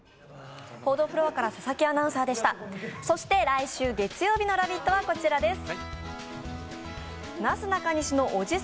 来週月曜日の「ラヴィット！」はこちらです。